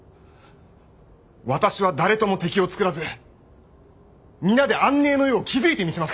私は誰とも敵を作らず皆で安寧の世を築いてみせます！